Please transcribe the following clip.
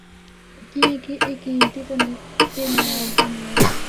کیانکہ اے قیمتی تے نایاب جانور ہن۔